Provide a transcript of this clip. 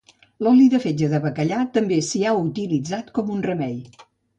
L'oli de fetge de bacallà també s'hi ha utilitzat com un remei.